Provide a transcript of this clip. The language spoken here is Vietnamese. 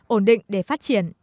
ổn định để phát triển